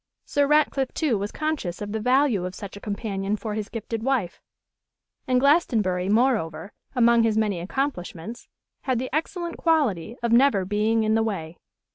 Sir Ratcliffe, too, was conscious of the value of such a companion for his gifted wife. And Glastonbury, moreover, among his many accomplishments, had the excellent quality of never being in the way.